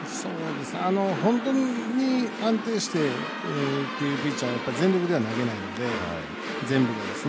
本当に安定してっていうピッチャーは全力では投げないんで全部が。